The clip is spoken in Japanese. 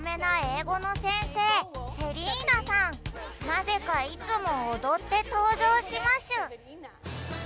なぜかいつもおどってとうじょうしましゅ